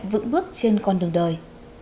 vững bước trên con đường đời